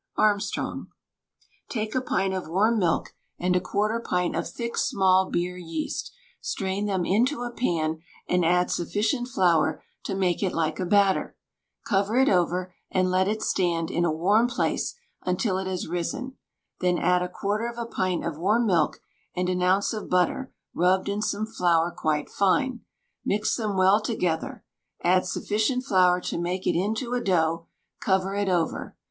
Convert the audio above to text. ARMSTRONG. Take a pint of warm milk, and a quarter pint of thick small beer yeast; strain them into a pan, and add sufficient flour to make it like a batter; cover it over, and let it stand in a warm place until it has risen; then add a quarter of a pint of warm milk, and an ounce of butter rubbed in some flour quite fine; mix them well together; add sufficient flour to make it into a dough; cover it over.